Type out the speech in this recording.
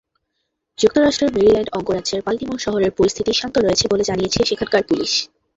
যুক্তরাষ্ট্রের মেরিল্যান্ড অঙ্গরাজ্যের বাল্টিমোর শহরের পরিস্থিতি শান্ত রয়েছে বলে জানিয়েছে সেখানকার পুলিশ।